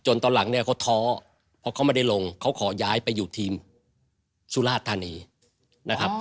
ตอนหลังเนี่ยเขาท้อเพราะเขาไม่ได้ลงเขาขอย้ายไปอยู่ทีมสุราธานีนะครับ